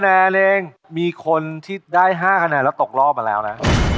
๕คะแนนแล้วตกรอบมาแล้วนะ